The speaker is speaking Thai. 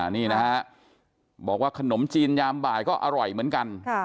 นี่นะฮะบอกว่าขนมจีนยามบ่ายก็อร่อยเหมือนกัน